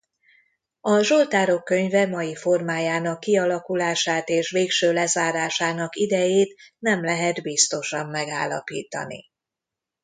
A Zsoltárok könyve mai formájának kialakulását és végső lezárásának idejét nem lehet biztosan megállapítani.